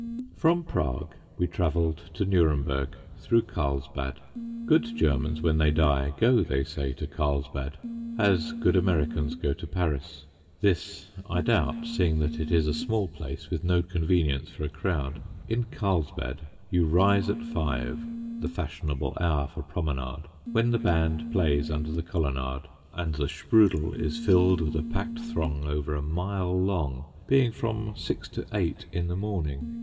From Prague we travelled to Nuremberg, through Carlsbad. Good Germans, when they die, go, they say, to Carlsbad, as good Americans to Paris. This I doubt, seeing that it is a small place with no convenience for a crowd. In Carlsbad, you rise at five, the fashionable hour for promenade, when the band plays under the Colonnade, and the Sprudel is filled with a packed throng over a mile long, being from six to eight in the morning.